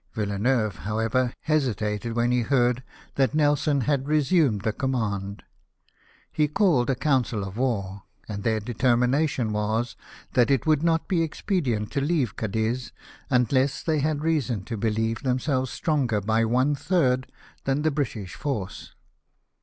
Villeneuve, however, hesitated when he heard that Nelson had resumed the command. He called a council of war ; and their determination was that it would not be expedient to leave Cadiz unless they had reason to believe them selves stronger by one third than the British force.